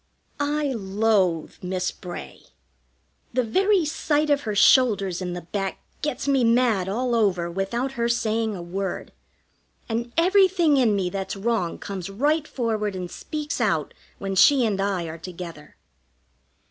I loathe Miss Bray. The very sight of her shoulders in the back gets me mad all over without her saying a word, and everything in me that's wrong comes right forward and speaks out when she and I are together.